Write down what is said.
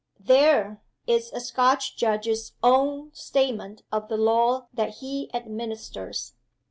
There is a Scotch judge's own statement of the law that he administers!